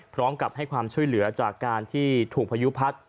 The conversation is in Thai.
พร้อมกับให้ความช่วยเหลือจากการที่ถูกพายุพัด